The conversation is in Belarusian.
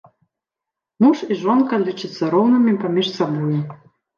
Муж і жонка лічацца роўнымі паміж сабою.